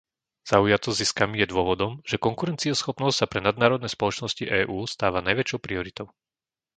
Zaujatosť ziskami je dôvodom, že konkurencieschopnosť sa pre nadnárodné spoločnosti EÚ stáva najväčšou prioritou.